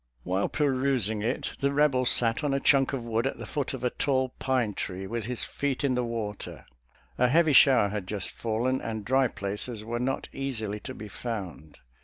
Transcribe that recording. While perusing it the Rebel sat on a chunk of wood at the foot of a tall pine tree, with his feet in the water. A heavy shower had just fallen, and dry places were not easily to be found.